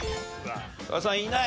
加賀さんいない？